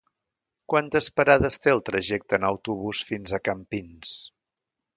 Quantes parades té el trajecte en autobús fins a Campins?